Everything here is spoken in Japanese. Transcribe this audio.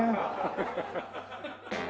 ハハハハ。